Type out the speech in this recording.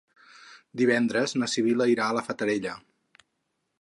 Divendres na Sibil·la irà a la Fatarella.